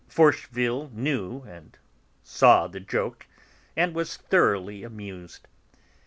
Forcheville knew and saw the joke, and was thoroughly amused.